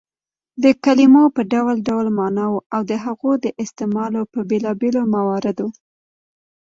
د کلیمو په ډول ډول ماناوو او د هغو د استعمال په بېلابيلو مواردو